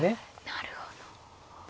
なるほど。